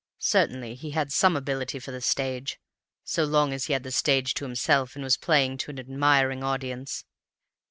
Certainly he had some ability for the stage, so long as he had the stage to himself and was playing to an admiring audience.